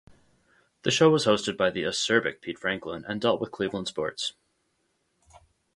The show was hosted by the acerbic Pete Franklin and dealt with Cleveland sports.